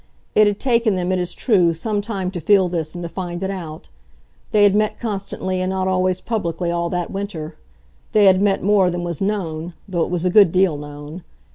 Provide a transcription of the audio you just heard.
It had taken them, it is true, some time to feel this and to find it out. They had met constantly, and not always publicly, all that winter; they had met more than was known though it was a good deal known.